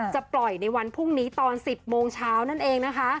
จะปล่อยในวันพรุ่งนี้ตอน๑๐โมงเช้านั่นเองนะคะ